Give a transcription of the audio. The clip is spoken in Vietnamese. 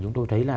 chúng tôi thấy là